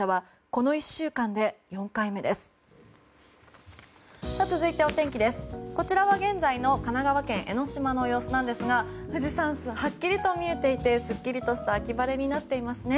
こちらは現在の神奈川県江の島の様子なんですが富士山、はっきりと見えていてすっきりとした秋晴れになっていますね。